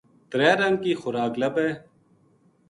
ترے رنگ کی خوراک لبھے